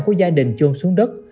của gia đình chôn xuống đất